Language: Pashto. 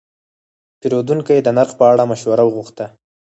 پیرودونکی د نرخ په اړه مشوره وغوښته.